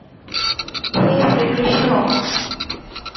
হে Shrikrishna!